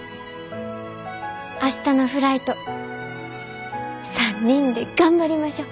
明日のフライト３人で頑張りましょ。